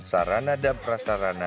sarana dan prasarana